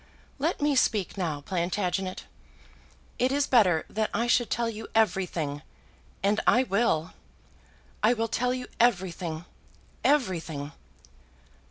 "Let me speak now, Plantagenet, It is better that I should tell you everything; and I will. I will tell you everything; everything!